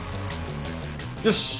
よし！